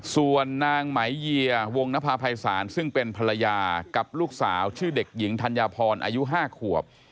ส่วนนางไหมเยียวงนภาพภัยศาลซึ่งเป็นภรรยากับลูกสาวชื่อเด็กหญิงธัญพรอายุ๕ขวบ